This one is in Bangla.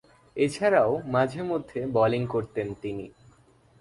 এছাড়াও, মাঝে-মধ্যে বোলিং করতেন তিনি।